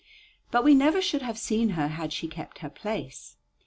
But we never should have seen her had she kept her place.